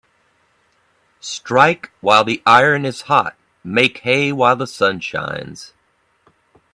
Strike while the iron is hot Make hay while the sun shines